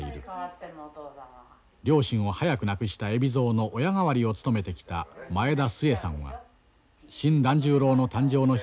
両親を早く亡くした海老蔵の親代わりを務めてきた前田すえさんは新團十郎の誕生の日を待ち焦がれている。